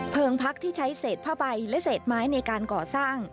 พักที่ใช้เศษผ้าใบและเศษไม้ในการก่อสร้าง